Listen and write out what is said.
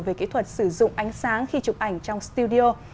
về kỹ thuật sử dụng ánh sáng khi chụp ảnh trong studio